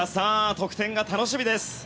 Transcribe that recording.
得点が楽しみです。